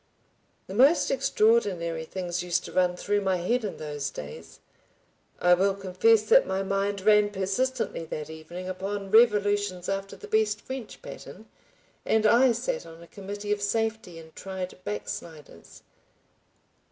The most extraordinary things used to run through my head in those days. I will confess that my mind ran persistently that evening upon revolutions after the best French pattern, and I sat on a Committee of Safety and tried backsliders.